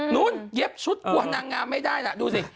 นู้นเย็บชุดกัวนนางงามไม่ได้นะดูสิ